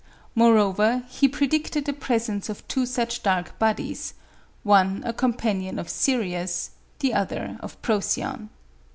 Moreover he predicted the presence of two such dark bodies one a companion of Sirius, the other of Procyon.